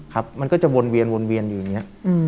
ครับมันก็จะวนเวียนอยู่อย่างนี้